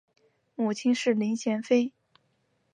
母亲是林贤妃。